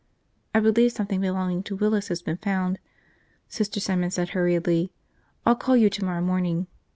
"I believe something belonging to Willis has been found," Sister Simon said hurriedly. "I'll call you tomorrow morning.